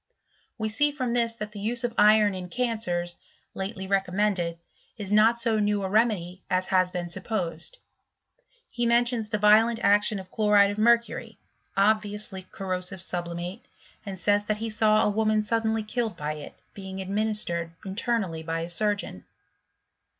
We see from this that the use of iron in cancers^ lately recommended, is not so new a remedy as has been supposed. He mentions the violent action of chloride of mer cury (obviously corrosive sublimate), and says that he saw a woman suddenly killed by it, being adminis > tered internally by a surgeon.